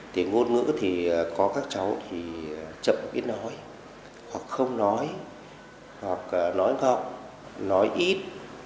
thì ngôn ngữ thì có các cháu thì chậm biết nói hoặc không nói hoặc nói ngọc nói ít